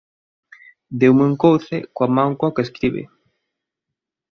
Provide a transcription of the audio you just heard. Deume un couce coa man coa que escribe.